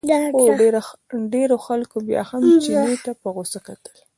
خو ډېرو خلکو بیا هم چیني ته په غوسه کتل.